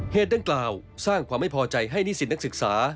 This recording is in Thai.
ดังกล่าวสร้างความไม่พอใจให้นิสิตนักศึกษา